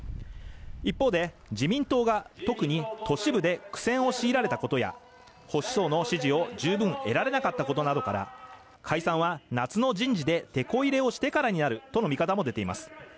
一方で、自民党が特に都市部で苦戦を強いられたことや保守層の支持を十分得られなかったことなどから、解散は夏の人事でテコ入れをしてからになるとの見方も出ています。